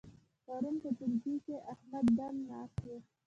پرون په ټولګي کې احمد دم ناست وو.